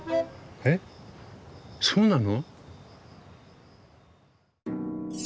えっそうなの？